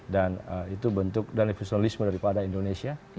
dan itu bentuk dan visualisme daripada indonesia